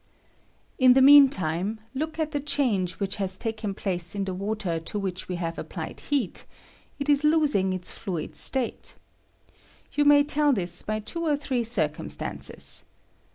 In the mean time, look at the change which has taken place in the water to which we have applied heat ; it is losing its iiuid state. You may tell this by two or three circumstances.